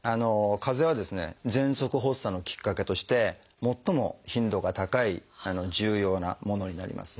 かぜはですねぜんそく発作のきっかけとして最も頻度が高い重要なものになります。